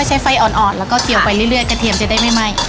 ใช้ไฟอ่อนแล้วก็เคียวไปเรื่อยกระเทียมจะได้ไม่ไหม้